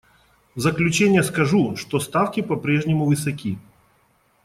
В заключение скажу, что ставки по-прежнему высоки.